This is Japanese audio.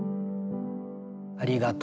「ありがとう。